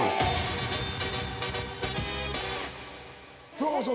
そうそう。